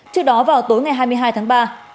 trước đó vào tối ngày hai mươi hai tháng ba